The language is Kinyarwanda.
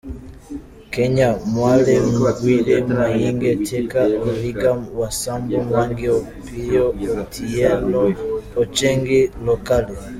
Kenya: Mwale, Bwire, Mayinge, Teka, Origa, Wasambo, Mwangi, Opiyo, Otiyeno, Ochengi, Lokale.